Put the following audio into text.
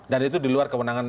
dan itu diluar kewenangan